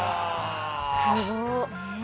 すごっ。